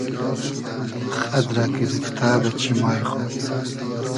خئد رۂ گیریفتۂ دۂ چیمای خو